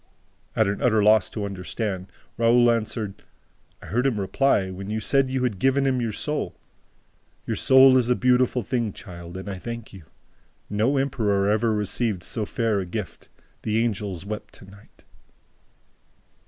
At an utter loss to understand, Raoul answered: "I heard him reply, when you said you had given him your soul, 'Your soul is a beautiful thing, child, and I thank you. No emperor ever received so fair a gift. The angels wept tonight.'"